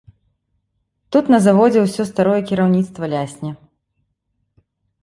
Тут на заводзе ўсё старое кіраўніцтва лясне.